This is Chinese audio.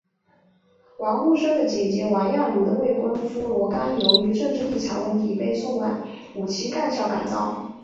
王沪生的姐姐王亚茹的未婚夫罗冈由于政治立场问题被送往五七干校改造。